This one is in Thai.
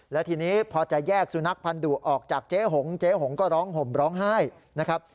และทีนี้พอจะแยกสุนัขพันธุออกจากเจ๊หงเจ๊หงก็ร้องห่มร้องไห้นะครับ